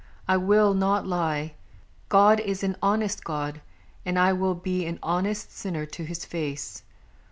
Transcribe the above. I will Not lie! God is an honest God, and I Will be an honest sinner to his face.